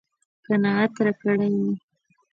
قناعت راکړی و.